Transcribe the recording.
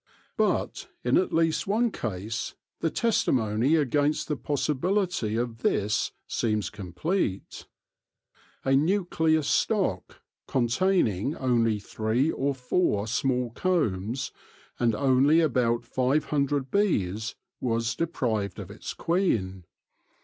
But, in at least one case, the testimony against the possibility of this seems complete. A nucleus stock, containing only three or four small combs and only about five hundred bees, was deprived of its queen.